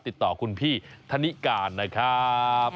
ติดต่อคุณพี่ธนิการนะครับ